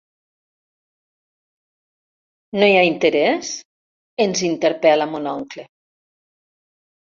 ¿No hi ha interès?, ens interpel·la mon oncle.